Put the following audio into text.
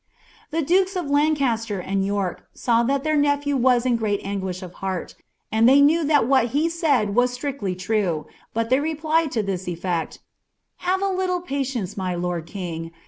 ■' The dukes of Lnncsster and York taw that ihnr nephe^ m a great anguish of heart, and they knew that what he said was «a^ true, but tliey replied to this effect: —"' Have a little patience, my lord king.